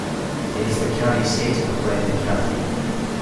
It is the county seat of Bladen County.